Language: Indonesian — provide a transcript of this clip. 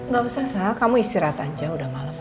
gak usah sah kamu istirahat aja udah malam